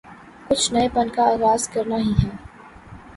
کچھ نئے پن کا آغاز کرنا ہی ہے۔